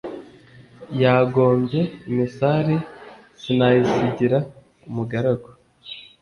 yangombye imisare sinayisigira umugaragu.